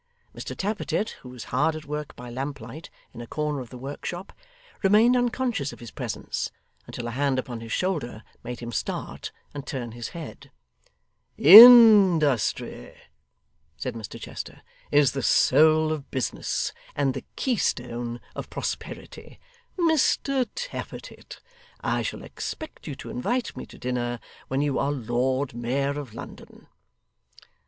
Mr Tappertit, who was hard at work by lamplight, in a corner of the workshop, remained unconscious of his presence until a hand upon his shoulder made him start and turn his head. 'Industry,' said Mr Chester, 'is the soul of business, and the keystone of prosperity. Mr Tappertit, I shall expect you to invite me to dinner when you are Lord Mayor of London.